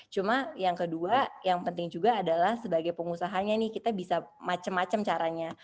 cuma yang kedua yang penting juga adalah sebagai pengusahanya nih kita bisa macam macam caranya